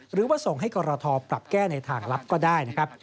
หรือว่าส่งให้กรทปรับแก้ในทางลับก็ได้นะครับ